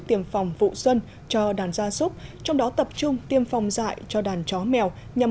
tiêm phòng vụ xuân cho đàn gia súc trong đó tập trung tiêm phòng dạy cho đàn chó mèo nhằm